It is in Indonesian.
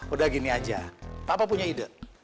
udah gini aja papa punya ide